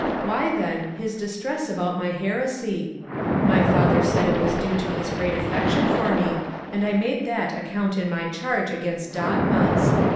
Why, then, his distress about my heresy ? My father said it was due to his great affection for me, and I made that a count in my charge against dogmas.